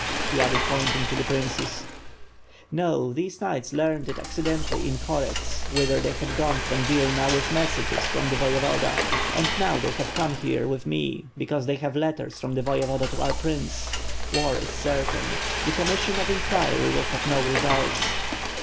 he added pointing to the princes. WITH FlRtJ ASD HWOHD. 629 "Nq, these knights learned it accidentally in Korets whither they had gone from Vilna with messages from the voyevoda; and now they have come here with me because they have letters from the voyevoda to our prince. War is certain. The commission of inquiry will have no results."